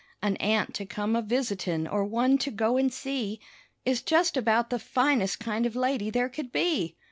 An aunt to come a visitin' or one to go and see Is just about the finest kind of lady there could be.